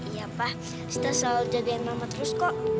iya pa sita selalu jagain mama terus kok